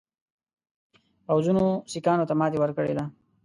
پوځونو سیکهانو ته ماته ورکړې ده.